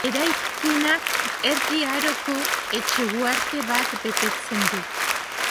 Eraikinak Erdi Aroko etxe-uharte bat betetzen du.